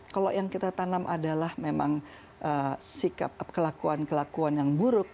kalau yang kita tanam adalah memang sikap kelakuan kelakuan yang buruk